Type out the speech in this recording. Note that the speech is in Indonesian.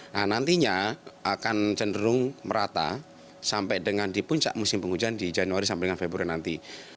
nah nantinya akan cenderung merata sampai dengan di puncak musim penghujan di januari sampai dengan februari nanti